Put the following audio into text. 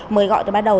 mới gọi từ ban đầu